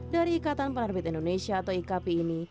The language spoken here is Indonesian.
dari ikatan penerbit indonesia atau ikp ini